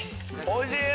おいしい！